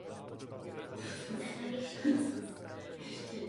Vystřídal mnoho zaměstnání.